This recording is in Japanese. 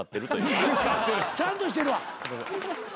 ちゃんとしてるわ。